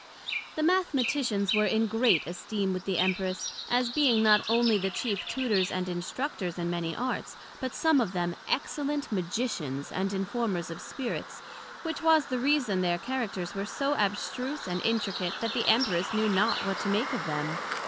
The Mathematicians were in great esteem with the Empress, as being not onely the chief Tutors and Instructors in many Arts, but some of them excellent Magicians and Informers of spirits, which was the reason their Characters were so abstruse and intricate, that the Emperess knew not what to make of them.